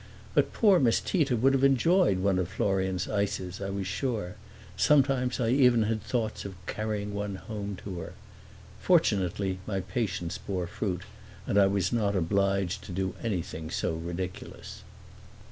But poor Miss Tita would have enjoyed one of Florian's ices, I was sure; sometimes I even had thoughts of carrying one home to her. Fortunately my patience bore fruit, and I was not obliged to do anything so ridiculous.